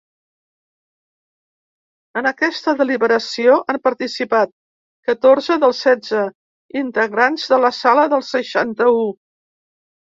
En aquesta deliberació, han participat catorze dels setze integrants de la sala del seixanta-u.